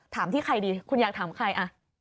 ที่ใครดีคุณอยากถามใคร